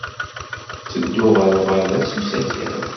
Ttedduɣ ɣer uɣerbaz s usakal.